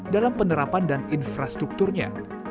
dalam penerapan dan infrastrukturnya